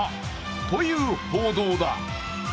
という報道だ。